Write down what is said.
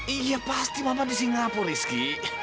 iya pasti mama di singapura rizky